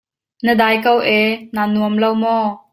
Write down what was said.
Na dai ko ee, na nuam lo maw?